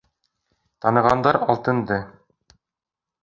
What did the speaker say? Танығандар Алтынды.